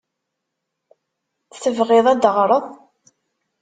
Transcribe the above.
Tebɣiḍ ad d-teɣreḍ?